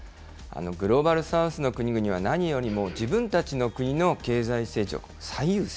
グローバル・サウスの国々は何よりも自分たちの国の経済成長が最優先。